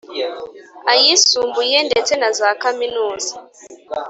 ayisumbuye ndetse na za kaminuza,